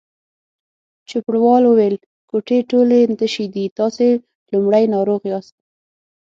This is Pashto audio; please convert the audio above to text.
چوپړوال وویل: کوټې ټولې تشې دي، تاسې لومړنی ناروغ یاست.